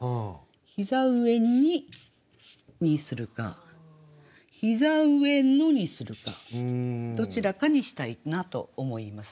「膝上に」にするか「膝上の」にするかどちらかにしたいなと思います。